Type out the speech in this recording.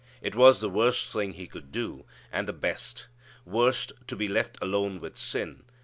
It was the worst thing He could do, and the best. Worst to be left alone with sin.